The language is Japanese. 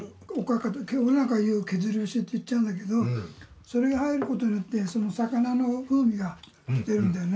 俺なんかよう削り節って言っちゃうんだけどそれが入ることによってその魚の風味が出るんだよね。